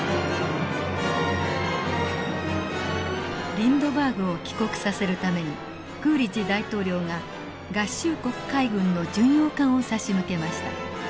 リンドバーグを帰国させるためにクーリッジ大統領が合衆国海軍の巡洋艦を差し向けました。